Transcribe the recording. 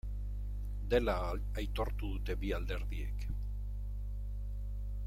Dela aitortu dute bi alderdiek.